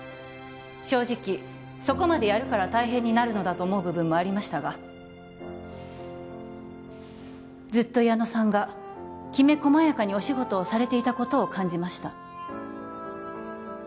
正直そこまでやるから大変になるのだと思う部分もありましたがずっと矢野さんがきめ細やかにお仕事をされていたことを感じました